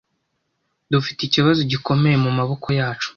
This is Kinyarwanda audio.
Dufite ikibazo gikomeye mumaboko yacu.